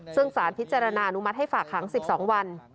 ซึ่งสารพิจารณาอนุมัติให้ฝากขัง๑๒วัน